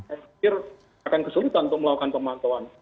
akhir akan kesulitan untuk melakukan pemontauan